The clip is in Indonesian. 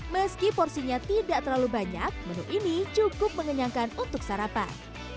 meski porsinya tidak terlalu banyak menu ini cukup mengenyangkan untuk sarapan